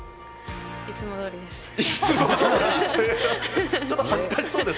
いつもどおりです。